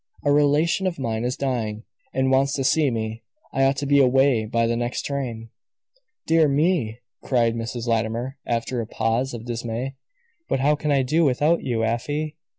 "A relation of mine is dying, and wants to see me. I ought to be away by the next train." "Dear me!" cried Mrs. Latimer, after a pause of dismay. "But how can I do without you, Afy?"